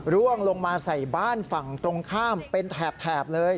ร่วงลงมาใส่บ้านฝั่งตรงข้ามเป็นแถบเลย